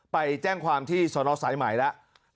ไปแจ้งความที่สนสายใหม่แล้ว